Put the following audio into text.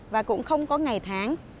và cũng không có ngày tháng